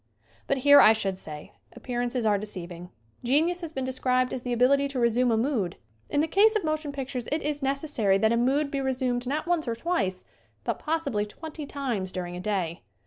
But here, I should say, appearances are de ceiving. Genius has been described as the ability to resume a mood. In the case of mo tion pictures it is necessary that a mood be re sumed not once or twice, but possibly twenty times during a day.